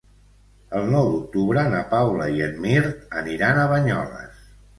El nou d'octubre na Paula i en Mirt aniran a Banyoles.